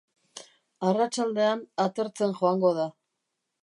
Arratsaldean, atertzen joango da.